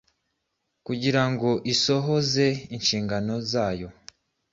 kugirango isohoze inshingano zayo